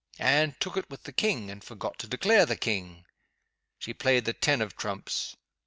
Anne took it with the King, and forgot to declare the King. She played the ten of Trumps.